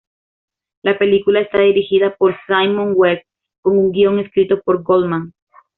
La película está dirigida por Simon West con un guion escrito por Goldman.